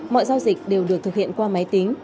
mọi giao dịch đều được thực hiện qua máy tính